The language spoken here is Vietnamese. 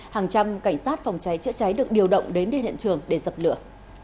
hàng trăm cảnh sát phòng cháy chữa cháy được điều động đến đi hiện trường để dập lửa